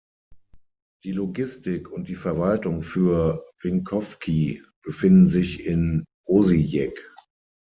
Die Logistik und die Verwaltung für Vinkovci befinden sich in Osijek.